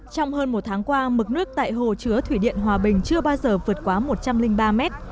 trong hơn một tháng qua mực nước tại hồ chứa thủy điện hòa bình chưa bao giờ vượt quá một trăm linh ba mét